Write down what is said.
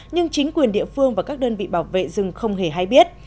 nhưng chính quyền địa phương và các đơn vị bảo vệ rừng không hề hay biết